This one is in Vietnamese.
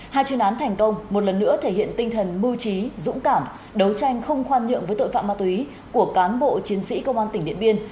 hai chuyên án thành công một lần nữa thể hiện tinh thần mưu trí dũng cảm đấu tranh không khoan nhượng với tội phạm ma túy của cán bộ chiến sĩ công an tỉnh điện biên